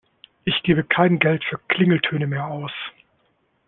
Ich gebe kein Geld für Klingeltöne mehr aus.